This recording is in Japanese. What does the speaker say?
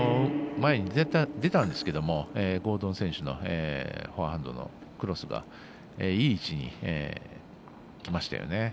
前に出たんですけどゴードン選手のフォアハンドのクロスがいい位置にきましたよね。